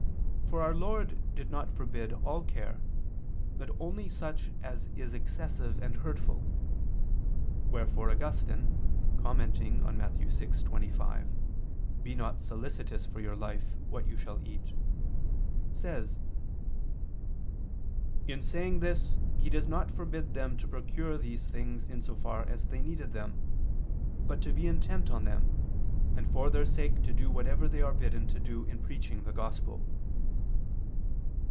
For our Lord did not forbid all care, but only such as is excessive and hurtful; wherefore Augustine, commenting on Matt. 6:25, "Be not solicitous for your life, what you shall eat," says (De Serm. in Monte [*The words quoted are from De Operibus Monach. xxvi]): "In saying this He does not forbid them to procure these things in so far as they needed them, but to be intent on them, and for their sake to do whatever they are bidden to do in preaching the Gospel."